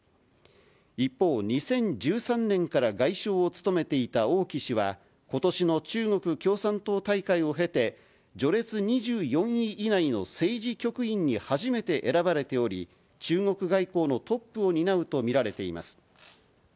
一方、２０１３年から外相を務めていた王毅氏は、ことしの中国共産党大会を経て、序列２４位以内の政治局員に初めて選ばれており、中国外交のトップを担うと見られています。